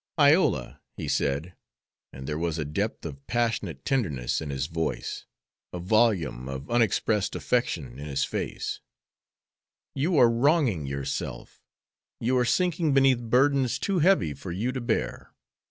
"Iola," he said, and there was a depth of passionate tenderness in his voice, a volume of unexpressed affection in his face, "you are wronging yourself. You are sinking beneath burdens too heavy for you to bear.